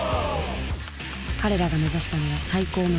彼らが目指したのは最高のマシン。